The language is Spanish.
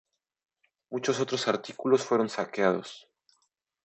Muchos otros artículos fueron saqueados.